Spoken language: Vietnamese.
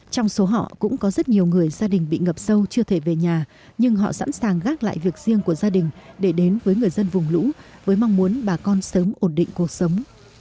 trong số họ cũng có rất nhiều người gia đình bị ngập sâu chưa thể về nhà nhưng họ sẵn sàng gác lại việc riêng của gia đình để đến với người dân vùng lũ với mong muốn bà con sớm ổn định cuộc sống